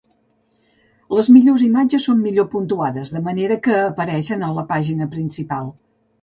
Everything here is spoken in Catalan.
Les millors imatges són millor puntuades de manera que apareixen a la pàgina principal.